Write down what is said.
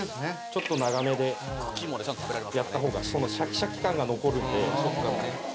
ちょっと長めでやった方がシャキシャキ感が残るんで。